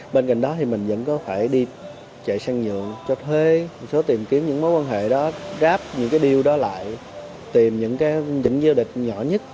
bên cạnh đó thì mình vẫn có thể đi chạy sang nhựa cho thuê tìm kiếm những mối quan hệ đó ráp những cái deal đó lại tìm những giao dịch nhỏ nhất